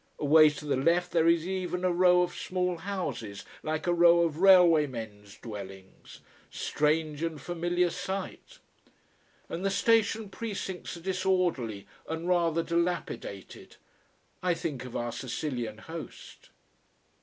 Away to the left there is even a row of small houses, like a row of railway mens' dwellings. Strange and familiar sight. And the station precincts are disorderly and rather dilapidated. I think of our Sicilian host.